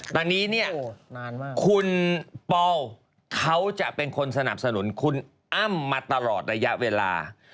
ตอนนี้เนี่ยคุณปอลเขาจะเป็นคนสนับสนุนคุณอ้ำมาตลอดระยะเวลา